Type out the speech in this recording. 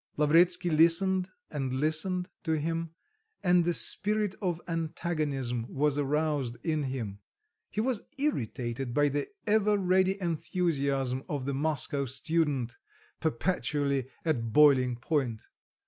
Lavretsky listened, and listened to him and the spirit of antagonism was aroused in him; he was irritated by the ever ready enthusiasm of the Moscow student, perpetually at boiling point.